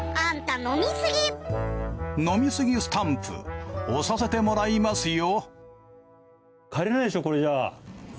飲みすぎスタンプ押させてもらいますよ。